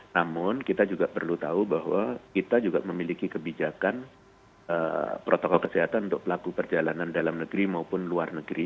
namun kita juga perlu tahu bahwa kita juga memiliki kebijakan protokol kesehatan untuk pelaku perjalanan dalam negeri maupun luar negeri